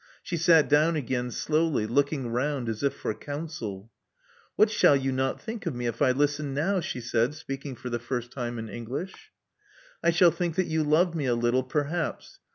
She sat down again, slowly, look ing round as if for counsel. What shall you not think of me if I listen now?" she said, speaking for the first time in English. I shall think that you love me a little, perhaps.